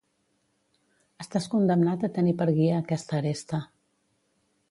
Estàs condemnat a tenir per guia aquesta aresta